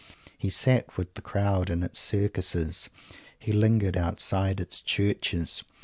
He sat with the crowd in its Circuses. He lingered outside its churches.